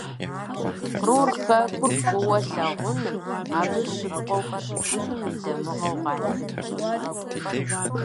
Кърур хэкур фӀыуэ лъагъуным, абы щыпкъэу хущытыным и дамыгъэу къалъытэ.